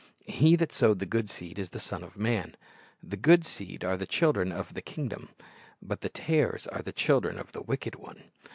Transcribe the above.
"He that sowed the good seed is the Son of man. The good seed are the children of the kingdom; but the tares are the children of the wicked one."